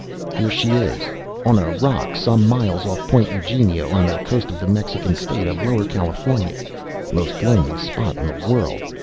"Here she is. On a rock some miles off Point Eugenia, on the coast of the Mexican State of Lower California. Most lonely spot in the world.